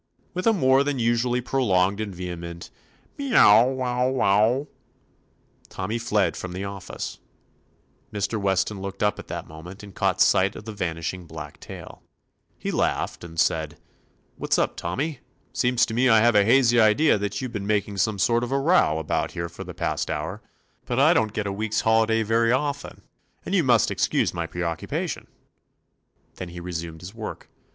With a more than usually prolonged and vehement "Merow wow wowl" Tommy fled from the office. Mr. Weston looked up at that moment, and caught sight of the van ishing black tail. He laughed and 60 If he hadn't sense enough to know it was dinner time, Tommy had. TOMMY POSTOFFICE said: "What 'sup, Tommy'? Seems to me I have a hazy idea that you 've been making some sort of a row about here for the past hour, but I don't get a week's holiday very often, and you must excuse my preoccupation." Then he resumed his work.